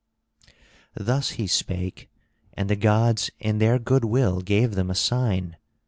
Thus he spake, and the gods in their goodwill gave them a sign.